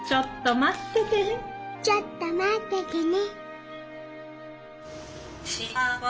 ちょっとまっててね。